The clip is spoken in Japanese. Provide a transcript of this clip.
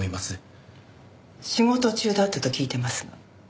仕事中だったと聞いてますが。